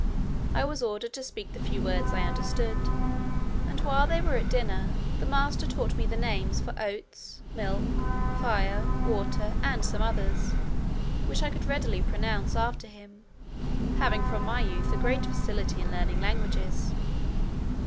I was ordered to speak the few words I understood; and while they were at dinner, the master taught me the names for oats, milk, fire, water, and some others, which I could readily pronounce after him, having from my youth a great facility in learning languages.